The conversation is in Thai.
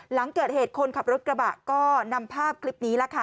หลังเกิดเหตุคนขับรถกระบะก็นำภาพคลิปนี้แหละค่ะ